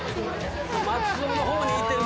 松尾の方に行ってる。